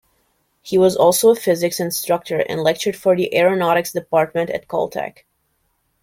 He was also a physics instructor and lectured for the aeronautics department at Caltech.